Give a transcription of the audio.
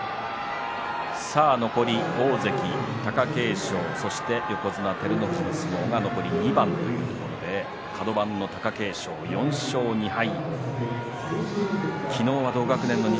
残り大関貴景勝そして横綱照ノ富士の相撲残り２番というところでカド番の貴景勝、４勝２敗昨日は同学年の錦